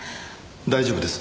大丈夫です。